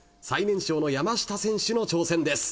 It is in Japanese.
最年少の山下選手の挑戦です。